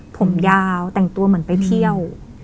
ผมยาวแต่งตัวเหมือนไปเที่ยว